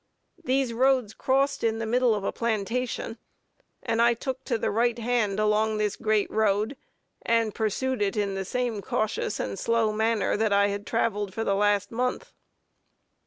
These roads crossed in the middle of a plantation, and I took to the right hand along this great road, and pursued it in the same cautious and slow manner that I had traveled for the last month.